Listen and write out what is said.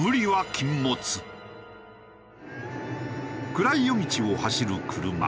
暗い夜道を走る車。